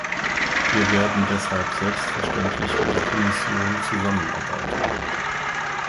Wir werden deshalb selbstverständlich mit der Kommission zusammenarbeiten.